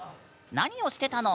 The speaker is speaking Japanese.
何をしてたの？